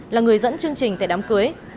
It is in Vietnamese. là người dẫn chương trình tại đám cưới